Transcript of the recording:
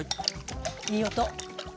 いい音！